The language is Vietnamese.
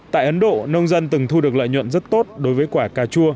tại ấn độ nông dân từng thu được lợi nhuận rất tốt đối với quả cà chua